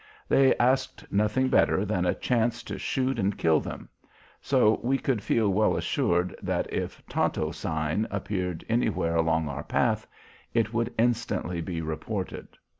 They asked nothing better than a chance to shoot and kill them; so we could feel well assured that if "Tonto sign" appeared anywhere along our path it would instantly be reported.